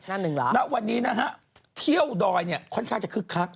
นั่นหนึ่งเหรอณวันนี้นะฮะเที่ยวดอยค่อนข้างจะคึก